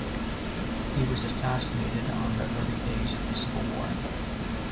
He was assassinated on the early days of the Civil War.